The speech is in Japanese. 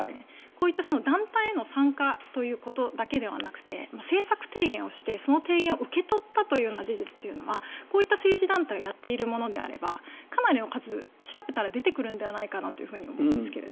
こういった団体への参加ということだけではなくて政策提言をして、その提言を受け取ったというような事実はこういった政治団体がやっているものであればかなりの数調べたら出てくるんじゃないかと思うんですが。